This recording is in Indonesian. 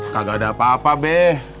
kagak ada apa apa be